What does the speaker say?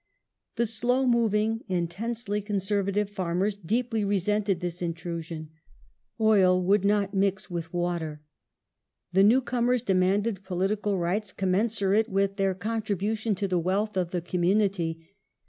The slow moving, intensely conservative farmers deeply resented this intrusion. Oil would not mix with water. The new comers demanded politi cal rights commensurate with their contribution to the wealth of the community.